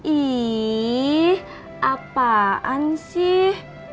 ih apaan sih